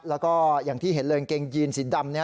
แล้วก็อย่างที่เห็นเลยกางเกงยีนสีดำ